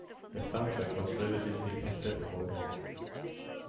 The soundtrack was relatively successful.